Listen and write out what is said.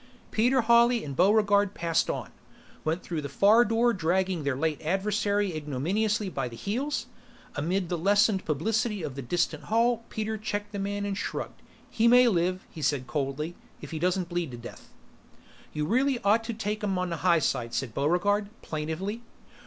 Peter Hawley and Buregarde passed on, went through the far door dragging their late adversary ignominiously by the heels. Amid the lessened publicity of the distant hall, Peter checked the man and shrugged. "He may live," he said coldly, "if he doesn't bleed to death." "You really ought to take 'em on the high side," said Buregarde, plaintively.